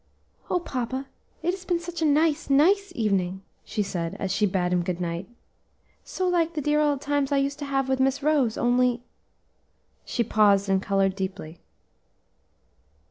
"O papa! it has been such a nice, nice evening!" she said, as she bade him good night; "so like the dear old times I used to have with Miss Rose, only " She paused and colored deeply.